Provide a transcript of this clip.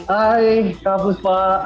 hai kabus pak